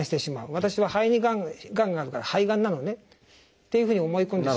私は肺にがんがあるから肺がんなのねというふうに思い込んでしまう場合も。